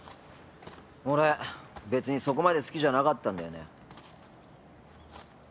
俺別にそこまで好きじゃなかったんだよね。